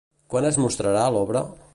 Quan es mostrarà l'obra?